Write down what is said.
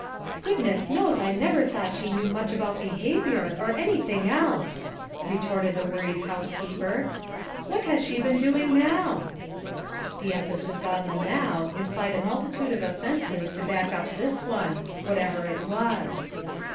"Goodness knows I never thought she knew much about behavior, or anything else!" re torted the worried housekeeper. "What has she been doing now?" The emphasis on the "now," implied a multitude of offenses to back up this one, whatever it was.